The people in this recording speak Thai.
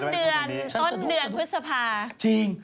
เดี๋ยวนั้นก็คือต้นเดือนต้นเดือนพฤษภาจริง